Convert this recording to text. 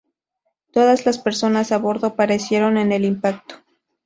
Todas las personas a bordo perecieron en el impacto.